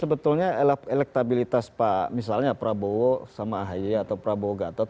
sebetulnya elektabilitas pak misalnya prabowo sama ahy atau prabowo gatot